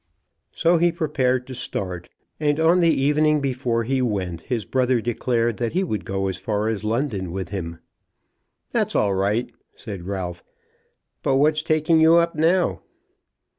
So he prepared to start, and on the evening before he went his brother declared that he would go as far as London with him. "That's all right," said Ralph, "but what's taking you up now?"